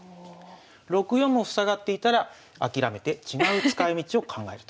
６四も塞がっていたら諦めて違う使いみちを考えると。